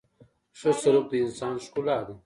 • ښه سلوک د انسان ښکلا ده.